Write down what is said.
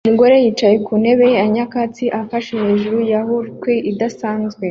Umugore yicaye ku ntebe ya nyakatsi afashe hejuru ya Hulk idasanzwe